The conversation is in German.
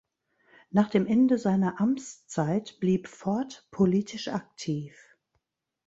Nach dem Ende seiner Amtszeit blieb Fort politisch aktiv.